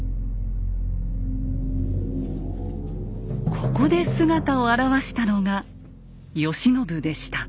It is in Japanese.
ここで姿を現したのが慶喜でした。